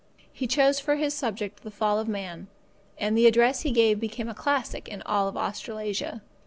He chose for his subject the Fall of Man, and the address he gave became a classic in all Australasia.